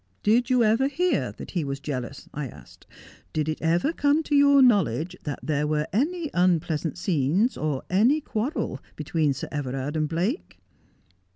" Did you ever hear that he was jealous ?" I asked. " Did it ever come to your knowledge that there were any unpleasant scenes, or any quarrel between Sir Everard and Blake?"